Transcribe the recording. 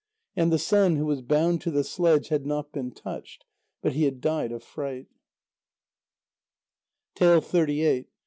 And the son, who was bound to the sledge, had not been touched, but he had died of fright.